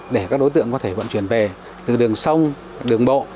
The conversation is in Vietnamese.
để các đối tượng có thể vận chuyển về từ đường sông đường bộ